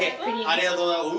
ありがとうございます。